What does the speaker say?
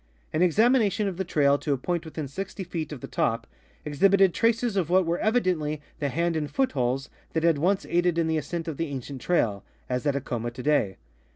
An examina tion of the trail to a point within 60 feet of the top exhibited traces of what were evidently the hand and foot holes that had once aided in the ascent of the ancient trail, as at Acoma today.